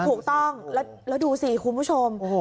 ถูกต้องแล้วดูสิคุณผู้ชม